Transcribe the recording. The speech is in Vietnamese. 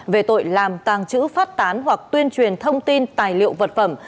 về tội làm tàng trữ phát tán hoặc tuyên truyền thông tin tài liệu vật phẩm